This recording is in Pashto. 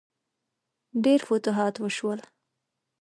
ډیر فتوحات وشول.